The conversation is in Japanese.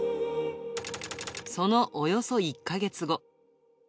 そのおよそ１か月後。